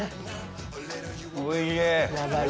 おいしい！